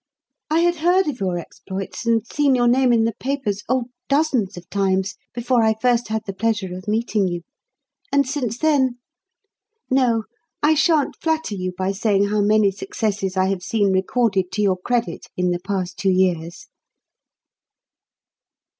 I had heard of your exploits and seen your name in the papers, oh, dozens of times before I first had the pleasure of meeting you; and since then ... No, I shan't flatter you by saying how many successes I have seen recorded to your credit in the past two years.